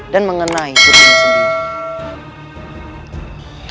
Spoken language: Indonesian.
dan mengenai dirinya sendiri